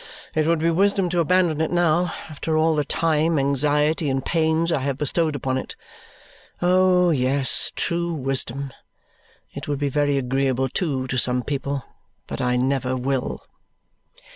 It would be wisdom to abandon it now, after all the time, anxiety, and pains I have bestowed upon it! Oh, yes, true wisdom. It would be very agreeable, too, to some people; but I never will."